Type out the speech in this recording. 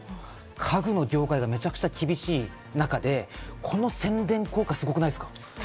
３つ目ですが、この家具の業界がめちゃくちゃ厳しい中で、この宣伝効果はすごくないですか？